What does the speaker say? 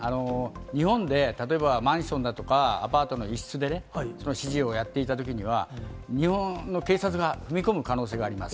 日本で例えば、マンションだとか、アパートの一室でね、指示をやっていたときには、日本の警察が踏み込む可能性があります。